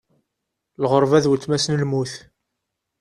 Lɣerba d uletma-s n lmut.